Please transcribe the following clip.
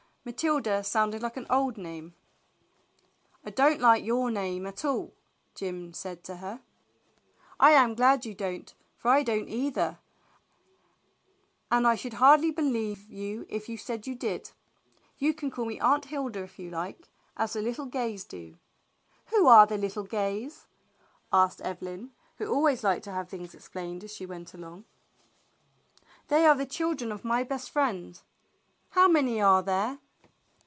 Matilda sounded like an old name. I don't like your name at all," Jim said to her. "I am glad you don't, for I don't either, and I should hardly believe you if you said you did. You can call me * Aunt Hilda' if you like, as the little Gays do." "Who are the little Gays?" asked Evelyn, who al ways liked to have things explained as she went alongo "They are the children of my best friend." "How many are there